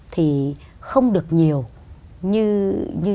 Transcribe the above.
thì không được nhiều